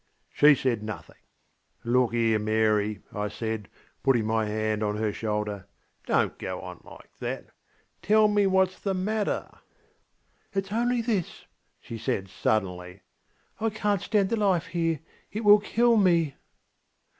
She said nothing. ŌĆśLook here, Mary, ŌĆÖ I said, putting my hand on her shoulder, ŌĆśdonŌĆÖt go on like that; tell me whatŌĆÖs the matter? ŌĆÖ ŌĆśItŌĆÖs only this, ŌĆÖ she said suddenly, ŌĆśI canŌĆÖt stand this life here; it will kill me!